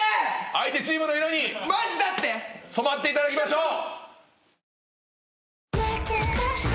相手チームの色に染まっていただきましょう。